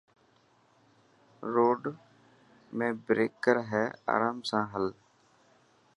روڊ ميڻ بريڪر هي آرام سان هل.